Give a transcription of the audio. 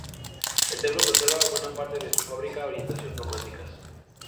El templo conserva buena parte de su fábrica y ornamentación románicas.